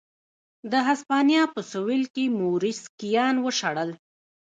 د هسپانیا په سوېل کې موریسکیان وشړل.